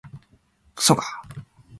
くそが